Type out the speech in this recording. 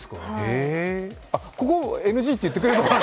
ここ、ＮＧって言ってくれない。